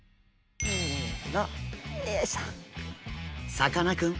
さかなクン